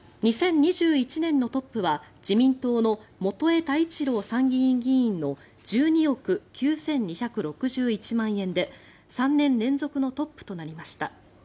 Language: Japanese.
２０２１年のトップは自民党の元栄太一郎参議院議員の１２億９２６１万円で３年連続のトップとなりました。